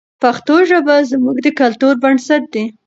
پښتو ژبه زموږ د کلتور بنسټ دی.